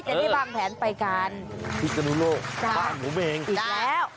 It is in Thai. จะได้วางแผนไปกันพิศนุโลกบ้านผมเองอีกแล้ว